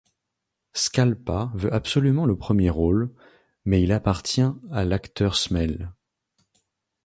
Scalpa veut absolument le premier rôle, mais il appartient à l'acteur Smell.